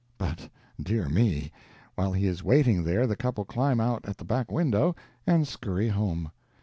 But, dear me, while he is waiting there the couple climb out at the back window and scurry home!